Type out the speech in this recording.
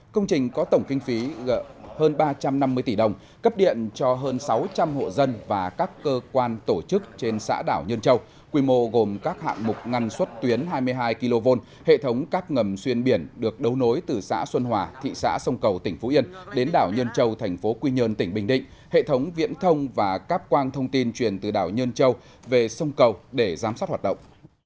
công trình có tổng kinh phí hơn ba trăm năm mươi tỷ đồng cấp điện cho hơn sáu trăm linh hộ dân và các cơ quan tổ chức trên xã đảo nhơn châu quy mô gồm các hạng mục ngăn xuất tuyến hai mươi hai kv hệ thống các ngầm xuyên biển được đấu nối từ xã xuân hòa thị xã sông cầu tỉnh phú yên đến đảo nhơn châu thành phố quy nhơn tỉnh bình định hệ thống viễn thông và các quang thông tin truyền từ đảo nhơn châu về sông cầu để giám sát hoạt động